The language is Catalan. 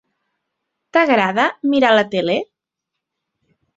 T'agrada mirar la tele?